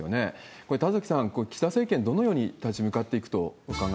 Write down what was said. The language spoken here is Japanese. これ、田崎さん、岸田政権、どのように立ち向かっていくとお考え